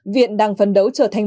viện đang phần đấu trở thành